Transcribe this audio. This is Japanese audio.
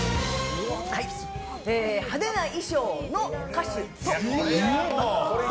派手な衣装の歌手といえば？